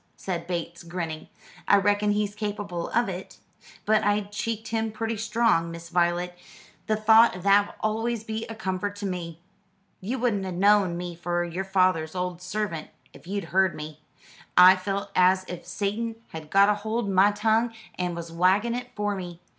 said Bates, grinning. "I reckon he's capable of it. But I cheeked him pretty strong, Miss Voylet. The thought o' that'll always be a comfort to me. You wouldn't ha' knowed me for your feyther's old sarvant if you'd heard me. I felt as if Satan had got hold o' my tongue, and was wagging it for me.